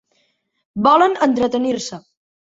Volen entretenir-se.